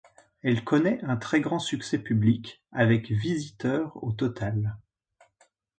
Elle connait un très grand succès public avec visiteurs au total.